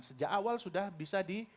sejak awal sudah bisa di